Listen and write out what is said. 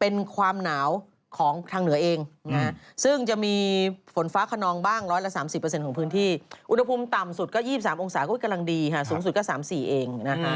เป็นความหนาวของทางเหนือเองซึ่งจะมีฝนฟ้าขนองบ้าง๑๓๐ของพื้นที่อุณหภูมิต่ำสุดก็๒๓องศาก็กำลังดีค่ะสูงสุดก็๓๔เองนะคะ